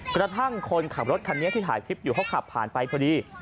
กระทั่งคนขับรถคันนี้ที่ถ่ายคลิปอยู่เขาขับผ่านไปพอดี